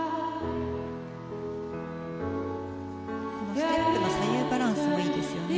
ステップの左右バランスもいいですよね